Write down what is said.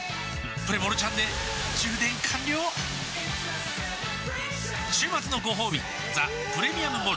プレモルちゃんで充電完了週末のごほうび「ザ・プレミアム・モルツ」